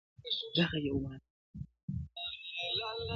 د شهید جنازه پرېږدی د قاتل سیوری رانیسی -